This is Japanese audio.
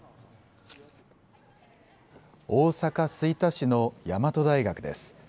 大阪・吹田市の大和大学です。